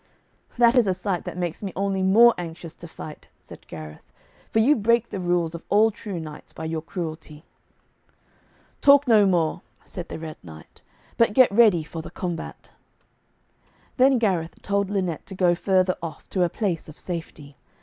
'That is a sight that makes me only more anxious to fight,' said Gareth, 'for you break the rules of all true knights by your cruelty.' 'Talk no more,' said the Red Knight, 'but get ready for the combat.' Then Gareth told Lynette to go further off, to a place of safety.